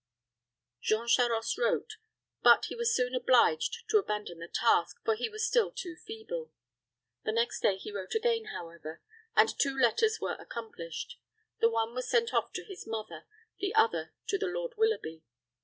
Jean Charost wrote; but he was soon obliged to abandon the task, for he was still too feeble. The next day he wrote again, however, and two letters were accomplished. The one was sent off to his mother, the other to the Lord Willoughby.